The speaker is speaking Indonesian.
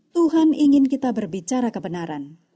tuhan ingin kita berbicara kebenaran